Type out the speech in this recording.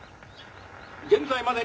現在までに」。